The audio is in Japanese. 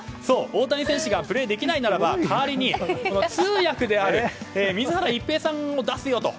大谷選手がプレーできないならば代わりに通訳である水原一平さんを出すと。